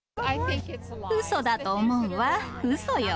うそだと思うわ、うそよ。